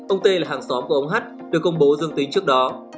ông t là hàng xóm của ông h được công bố dương tính trước đó